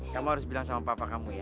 kamu harus bilang sama papa kamu ya